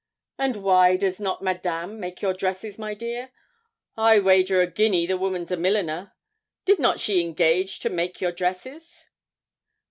'And why does not Madame make your dresses, my dear? I wager a guinea the woman's a milliner. Did not she engage to make your dresses?'